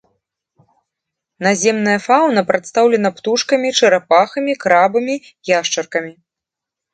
Наземная фаўна прадстаўлена птушкамі, чарапахамі, крабамі, яшчаркамі.